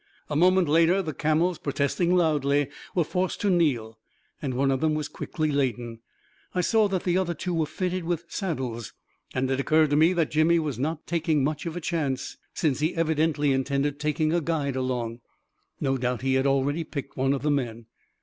A moment later, the camels, protesting loudly, were forced to kneel, and one of them was quickly laden. I saw that the other two were fitted with saddles; and it occurred to me that Jimmy was not taking much of a chance, since he evidently intended A KING IN BABYLON 383 taking a guide along. No doubt he had already picked one of the men.